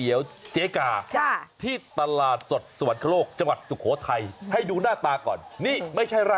ยังไงนี่